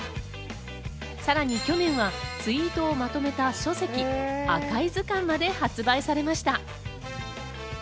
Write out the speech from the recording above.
さらに、去年はツイートをまとめた書籍『赤井図鑑』まで発売されました。